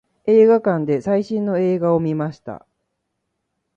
映画館で最新の映画を見ました。